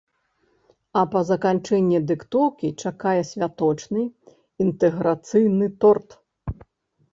А па заканчэнні дыктоўкі чакае святочны, інтэграцыйны торт.